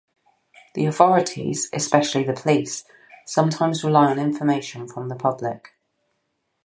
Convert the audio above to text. The authorities, especially the police, sometimes rely on information from the public.